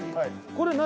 これ何？